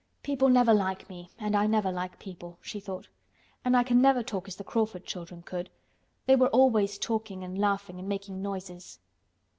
"People never like me and I never like people," she thought. "And I never can talk as the Crawford children could. They were always talking and laughing and making noises."